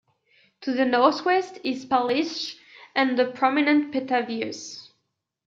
To the northwest is Palitzsch and the prominent Petavius.